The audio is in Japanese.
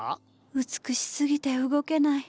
美しすぎて動けない。